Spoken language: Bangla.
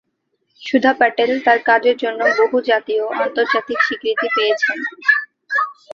সুধা প্যাটেল তার কাজের জন্য বহু জাতীয় ও আন্তর্জাতিক স্বীকৃতি পেয়েছেন।